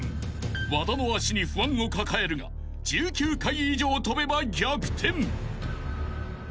［和田の足に不安を抱えるが１９回以上跳べば逆転］